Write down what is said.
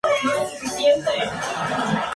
La mayor parte de su curso corre canalizado.